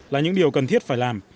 là những điều cần thiết phải làm